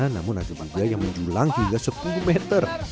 namun ada juga yang menjulang hingga sepuluh meter